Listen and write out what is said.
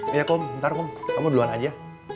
ya kum ntar kum kamu duluan aja